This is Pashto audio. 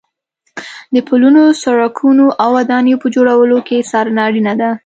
د پلونو، سړکونو او ودانیو په جوړولو کې څارنه اړینه ده.